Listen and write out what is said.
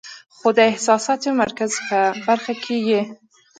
خو د احساساتي مرکز پۀ برخه کې ئې